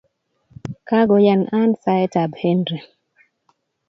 Kagoyan Ann saetab Henry